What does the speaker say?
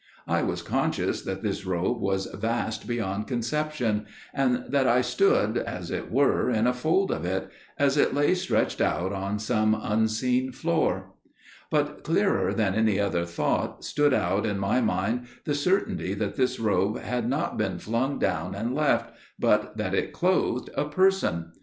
I was conscious that this robe was vast beyond conception, and that I stood as it were in a fold of it, as it lay stretched out on some unseen floor. But, clearer than any other thought, stood out in my mind the certainty that this robe had not been flung down and left, but that it clothed a Person.